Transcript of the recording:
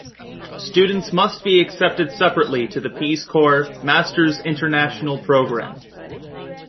Students must be accepted separately to the Peace Corps' Masters' International Program.